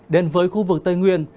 đến với khu vực tây nguyên